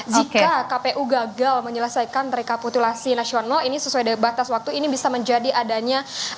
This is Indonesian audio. jika kpu gagal menyelesaikan rekapitulasi nasional ini sesuai dengan batas waktu ini bisa menjadi adanya